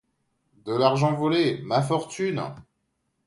De l'argent volé, ma fortune!